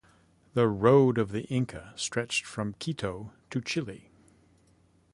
The Road of the Inca stretched from Quito to Chile.